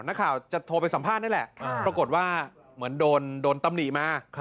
นักข่าวจะโทรไปสัมภาษณ์นี่แหละปรากฏว่าเหมือนโดนตำหนิมา